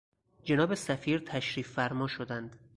جناب سفیر تشریف فرما شدند.